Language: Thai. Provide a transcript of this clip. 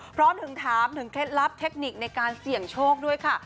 พร้อมถึงถามถึงเคล็ดลับเทคนิคในการเสี่ยงโชคด้วยค่ะ